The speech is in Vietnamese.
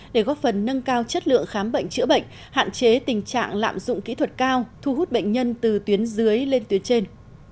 để góp phần nâng cao chất lượng khám bệnh chữa bệnh hạn chế tình trạng lạm dụng kỹ thuật cao thu hút bệnh nhân từ tuyến dưới lên tuyến trên